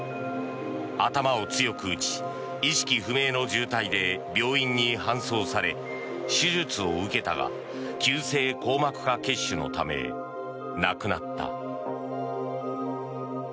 頭を強く打ち意識不明の重体で病院に搬送され手術を受けたが急性硬膜下血腫のため亡くなった。